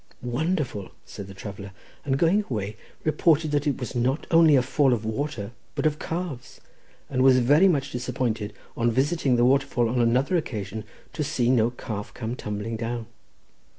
'Wonderful!' said the traveller, and going away, reported that it was not only a fall of water, but of calves, and was very much disappointed, on visiting the waterfall on another occasion, to see no calf come tumbling down."